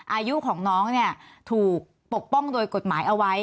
อายุของน้องเนี่ยถูกปกป้องโดยกฎหมายเอาไว้